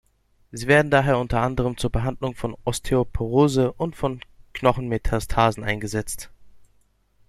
Sie werden daher unter anderem zur Behandlung der Osteoporose und von Knochenmetastasen eingesetzt.